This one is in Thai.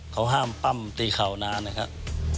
เขาห้ามปั้มตีเข่านานนะครับ